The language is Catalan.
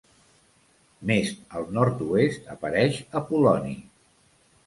Més al nord-oest apareix Apol·loni.